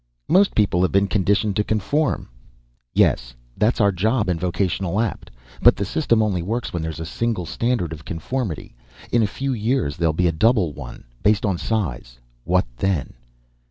"Most people have been conditioned to conform." "Yes. That's our job in Vocational Apt. But the system only works when there's a single standard of conformity. In a few years there'll be a double one, based on size. What then?"